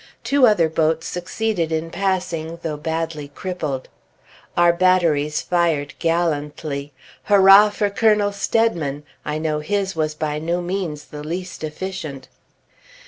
Two other boats succeeded in passing, though badly crippled. Our batteries fired gallantly. Hurrah! for Colonel Steadman! I know his was by no means the least efficient!